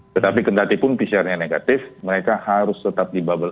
tetapi kendatipun pcr nya negatif mereka harus tetap di bubble